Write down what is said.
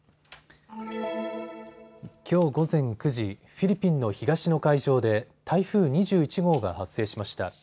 きょう午前９時、フィリピンの東の海上で台風２１号が発生しました。